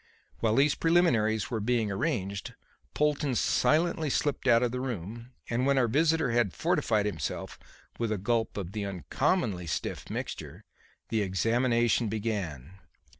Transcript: While these preliminaries were being arranged, Polton silently slipped out of the room, and when our visitor had fortified himself with a gulp of the uncommonly stiff mixture, the examination began.